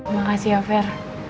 makasih ya fer